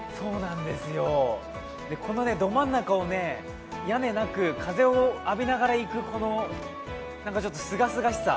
このどまん中を屋根なく、風を浴びながら行くすがすがしさ。